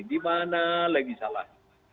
di mana lagi salah